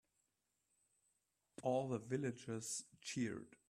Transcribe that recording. All the villagers cheered.